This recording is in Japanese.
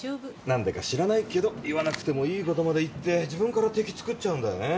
何だか知らないけど言わなくてもいいことまで言って自分から敵つくっちゃうんだよね。